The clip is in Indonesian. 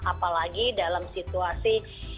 apalagi dalam situasi